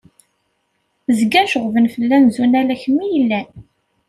Zgan ceɣben fell-am zun ala kemm i yellan!